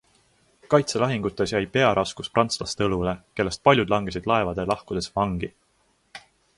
Kaitselahingutes jäi pearaskus prantslaste õlule, kellest paljud langesid laevade lahkudes vangi.